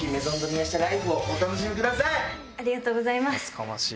ありがとうございます。